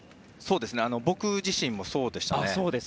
僕自身もそうでしたね。